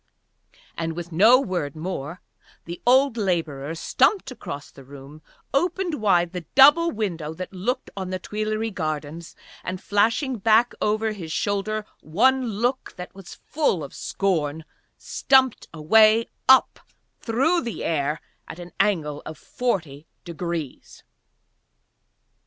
And with no word more the old labourer stumped across the room, opened wide the double window that looked on the Tuileries gardens and, flashing back over his shoulder one look that was full of scorn, stumped away up through the air at an angle of forty degrees.